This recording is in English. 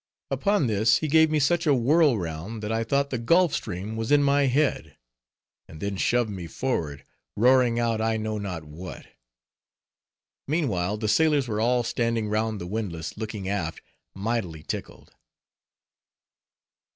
Upon this he gave me such a whirl round, that I thought the Gulf Stream was in my head; and then shoved me forward, roaring out I know not what. Meanwhile the sailors were all standing round the windlass looking aft, mightily tickled.